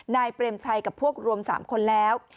เปรมชัยกับพวกรวม๓คนแล้ว